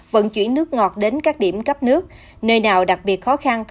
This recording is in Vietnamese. vận chuyển nước ngọt đến các điểm cấp nước nơi nào đặc biệt khó khăn